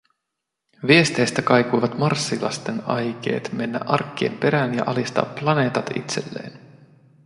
Viesteistä kaikuivat Marssilasten aikeet mennä arkkien perään ja alistaa planeetat itselleen.